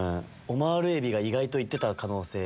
オマール海老が意外と行ってた可能性。